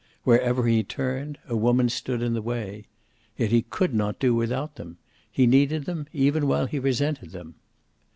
Wherever he turned, a woman stood in the way. Yet he could not do without them. He needed them even while he resented them.